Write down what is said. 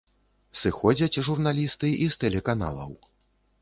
Сыходзяць журналісты і з тэлеканалаў.